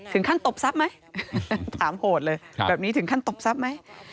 ถึงขั้นตบซับไหมถามโหดเลยครับแบบนี้ถึงขั้นตบซับไหม